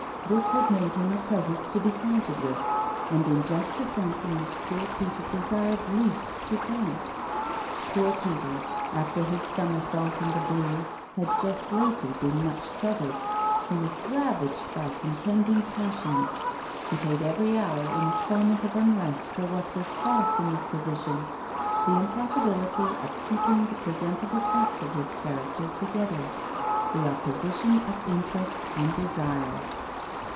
This had made him a presence to be counted with, and in just the sense in which poor Peter desired least to count. Poor Peter, after his somersault in the blue, had just lately been much troubled; he was ravaged by contending passions; he paid every hour in a torment of unrest for what was false in his position, the impossibility of keeping the presentable parts of his character together, the opposition of interest and desire.